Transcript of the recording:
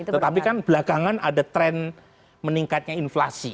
tetapi kan belakangan ada tren meningkatnya inflasi